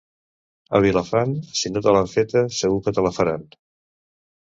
A Vilafant, si no te l'han feta, segur que te la faran.